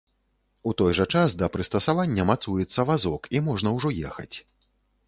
У той жа час, да прыстасавання мацуецца вазок, і можна ўжо ехаць.